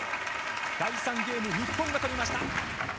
第３ゲーム、日本がとりました。